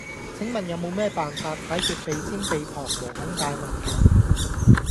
請問有無咩辦法解決鼻尖鼻旁毛孔大問題?